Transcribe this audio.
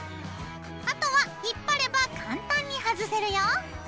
あとは引っ張れば簡単にはずせるよ。